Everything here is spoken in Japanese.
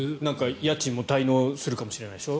家賃も滞納するかもしれないでしょ。